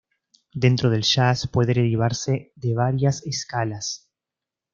Dentro del jazz puede derivarse de varias escalas.